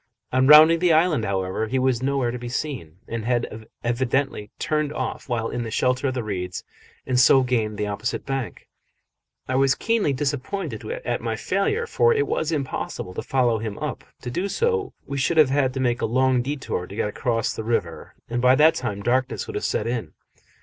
On rounding the island, however, he was nowhere to be seen, and had evidently turned off while in the shelter of the reeds and so gained the opposite bank. I was keenly disappointed at my failure, for it was impossible to follow him up: to do so we should have had to make a long detour to get across the river, and by that time darkness would have set in.